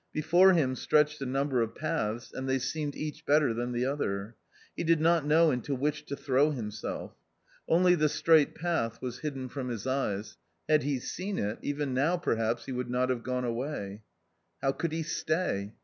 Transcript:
Before him stretched a number of paths ; and they seemed each better than the other. He did not know into which to throw himself. Only the straight path was hidden from his eyes ; had he . seen it, even now perhaps he would not have gone away. How could he stay?